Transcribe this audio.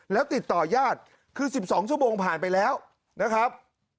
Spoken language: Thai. แล้วติดต่อยาดคือ๑๒ชั่วโมงผ่านไปแล้วนะครับ